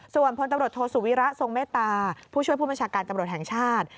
ส่วนพลตำรวจโทษสุวิระทรงเมตตาผู้ช่วยผู้บัญชาการตำรวจแห่งชาติ